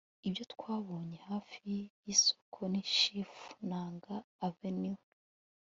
ibyo twabonye hafi y'isoko ni chief nanga avenue